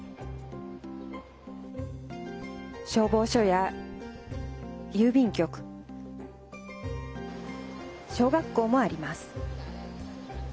消防署や郵便局小学校もあります。